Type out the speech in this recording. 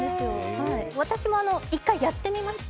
私も１回やってみました。